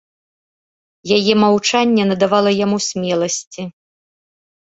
Яе маўчанне надавала яму смеласці.